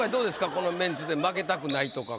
このメンツで負けたくないとか。